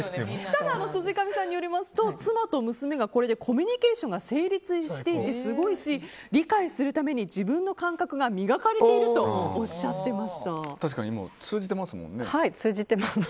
ただ、辻上さんによりますと妻と娘がこれでコミュニケーションが成立していてすごいし理解するために自分の感覚が磨かれていると確かに通じてますもんね。